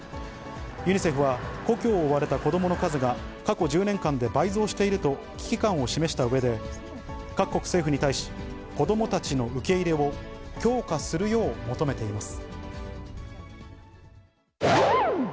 ユニセフは、故郷を追われた子どもの数が、過去１０年間で倍増していると危機感を示したうえで、各国政府に対し、子どもたちの受け入れを強化するよう求めています。